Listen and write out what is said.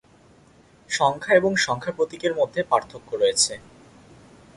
সংখ্যা এবং সংখ্যা প্রতীকের মধ্যে পার্থক্য রয়েছে।